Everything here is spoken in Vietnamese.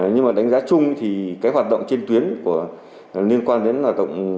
nhưng mà đánh giá chung thì cái hoạt động trên tuyến liên quan đến hoạt động